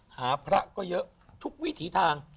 หาพระก็เยอะทุกวิถีทาง